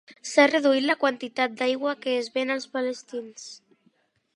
S'ha reduït la quantitat d'aigua que es ven als palestins.